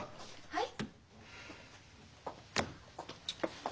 はい。